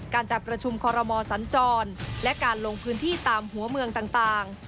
การจัดประชุมคอรมอสัญจรและการลงพื้นที่ตามหัวเมืองต่าง